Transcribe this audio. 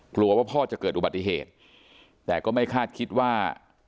กลัวว่าพ่อจะเกิดอุบัติเหตุแต่ก็ไม่คาดคิดว่า